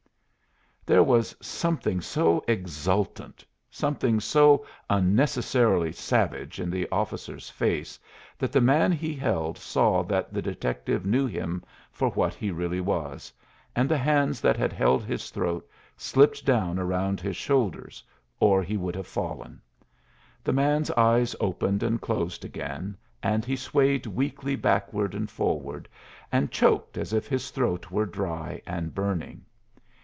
There was something so exultant something so unnecessarily savage in the officer's face that the man he held saw that the detective knew him for what he really was, and the hands that had held his throat slipped down around his shoulders, or he would have fallen. The man's eyes opened and closed again, and he swayed weakly backward and forward, and choked as if his throat were dry and burning.